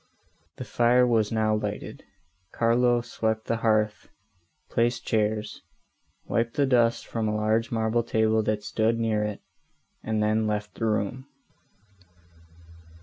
The fire was now lighted; Carlo swept the hearth, placed chairs, wiped the dust from a large marble table that stood near it, and then left the room.